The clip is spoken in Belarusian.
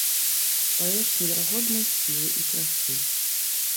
Паэт неверагоднай сілы і красы.